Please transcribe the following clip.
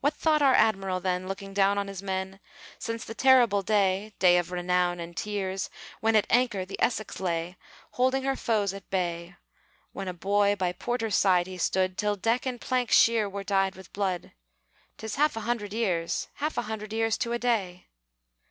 What thought our Admiral then, Looking down on his men? Since the terrible day (Day of renown and tears!), When at anchor the Essex lay, Holding her foes at bay, When a boy by Porter's side he stood, Till deck and plank sheer were dyed with blood; 'Tis half a hundred years, Half a hundred years to a day!